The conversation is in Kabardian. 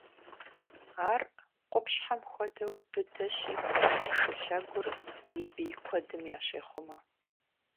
Ар къупщхьэм хуэдэу быдэщи, шылъэгур и бий куэдым ящехъумэ.